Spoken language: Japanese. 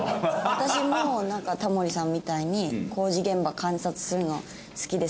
私もなんかタモリさんみたいに工事現場観察するの好きです。